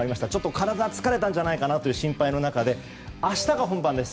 体が疲れたんじゃないかという心配の中で明日が本番です。